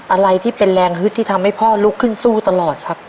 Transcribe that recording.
อะไรที่เป็นแรงฮึดที่ทำให้พ่อลุกขึ้นสู้ตลอดครับ